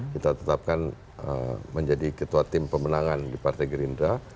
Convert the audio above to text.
kita tetapkan menjadi ketua tim pemenangan di partai gerindra